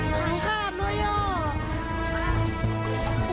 ไห้ขาดเลยอ่ะ